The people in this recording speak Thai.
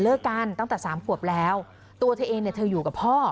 กันตั้งแต่สามขวบแล้วตัวเธอเองเนี่ยเธออยู่กับพ่อ